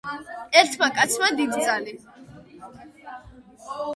ერთმა კაცმა დიდძალი